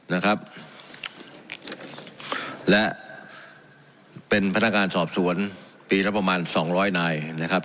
นะครับและเป็นพนักงานสอบสวนปีละประมาณสองร้อยนายนะครับ